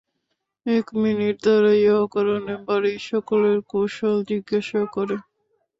এক মিনিট দাড়াইয়া অকারণে বাড়ির সকলের কুশল জিজ্ঞাসা করে।